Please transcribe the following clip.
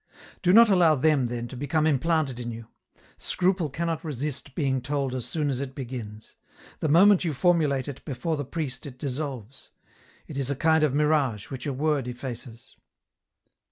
" Do not allow them, then, to become implanted in you ; scruple cannot resist being told as soon as it begins. The moment you formulate it before the priest it dissolves ; it is a kind of mirage which a word effaces.